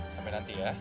sampai nanti ya